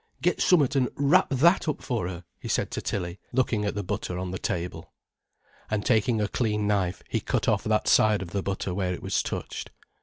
"Get summat an' wrap that up for her," he said to Tilly, looking at the butter on the table. And taking a clean knife, he cut off that side of the butter where it was touched.